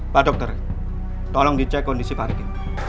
pak dokter tolong dicek kondisi pak riki